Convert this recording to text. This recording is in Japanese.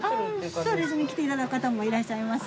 そうですね来ていただく方もいらっしゃいます。